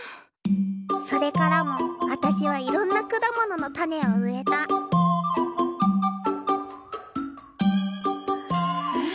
それからも私はいろんな果物の種を植えたえっ？